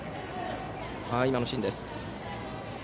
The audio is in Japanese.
今のシーンです。